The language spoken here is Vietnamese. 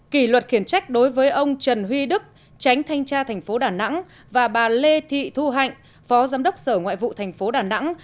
kỷ luật khiển trách đối với ông trần huy đức tránh thanh tra thành phố đà nẵng và bà lê thị thu hạnh phó giám đốc sở ngoại vụ tp đà nẵng